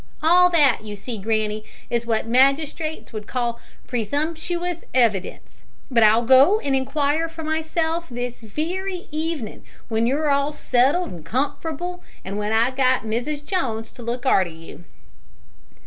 All that, you see, granny, is what the magistrates would call presumptuous evidence. But I'll go and inquire for myself this wery evenin' w'en you're all settled an comf'rable, an' w'en I've got Mrs Jones to look arter you."